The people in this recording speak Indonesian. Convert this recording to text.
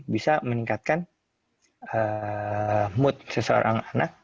bisa meningkatkan mood seseorang anak